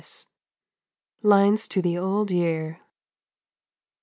Lines to the Old Year.